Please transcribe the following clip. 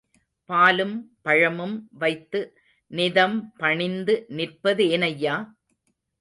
பாலும் பழமும் வைத்து நிதம் பணிந்து நிற்பதேனையா?